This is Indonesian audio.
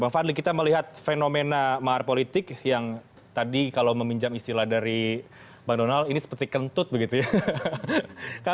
bang fadli kita melihat fenomena mahar politik yang tadi kalau meminjam istilah dari bang donald ini seperti kentut begitu ya